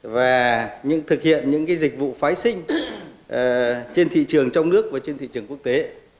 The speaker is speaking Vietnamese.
và thực hiện những dịch vụ phái sinh trên thị trường trong nước và trên thị trường quốc tế